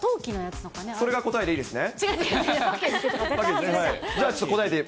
それが答えでいいですね。